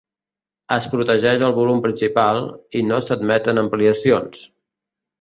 Es protegeix el volum principal, i no s'admeten ampliacions.